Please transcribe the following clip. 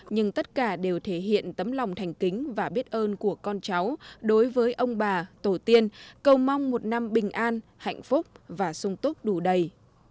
nhưng tất cả đều thể hiện tấm lòng thành kính và biết ơn của con cháu đối với ông bà tổ tiên cầu mong một năm bình an hạnh phúc và sung túc đủ đầy